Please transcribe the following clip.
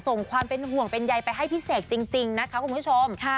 ส่งความเป็นห่วงเป็นใยไปให้พี่เศกจริงนะค่ะ